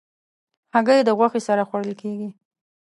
هګۍ د غوښې سره خوړل کېږي.